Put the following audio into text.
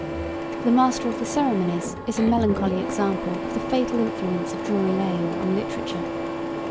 The Master of the Ceremonies is a melancholy example of the fatal influence of Drury Lane on literature.